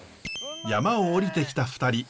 山を下りてきた２人。